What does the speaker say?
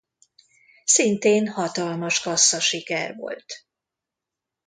Szintén hatalmas kasszasiker volt.